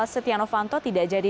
setia novanto tidak jadi